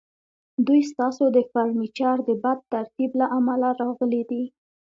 دوی ستاسو د فرنیچر د بد ترتیب له امله راغلي دي